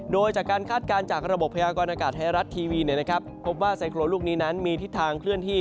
โดยจากการคาดการณ์จากระบบพยากรณากาศไทยรัฐทีวีพบว่าไซโครนลูกนี้นั้นมีทิศทางเคลื่อนที่